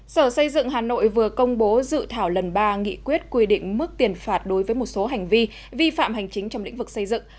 sở xây dựng hà nội vừa công bố dự thảo lần ba nghị quyết quy định mức tiền phạt đối với một số hành vi vi phạm hành chính trong lĩnh vực xây dựng